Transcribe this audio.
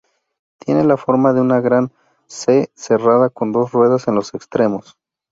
Tiene la forma de una gran "C" cerrada con dos ruedas en los extremos.